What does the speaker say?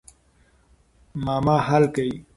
معما حل کړئ.